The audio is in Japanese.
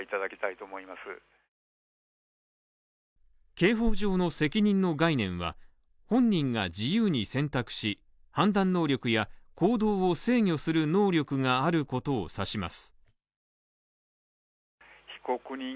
刑法上の責任の概念は、本人が自由に選択し、判断能力や行動を制御する能力があることを指します。